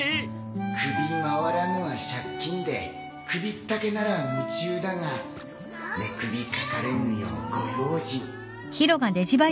首回らぬは借金で首ったけなら夢中だが寝首かかれぬようご用心。